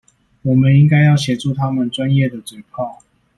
我們應該要協助他們專業的嘴砲